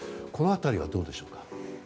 この辺りはどうでしょうか？